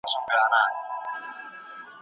ستا د مټو ترمنځ